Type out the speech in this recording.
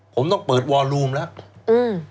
ผมต้องเปิดวอลูมแล้ว